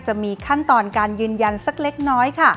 จะมีขั้นตอนการยืนยันสักเล็กน้อยค่ะ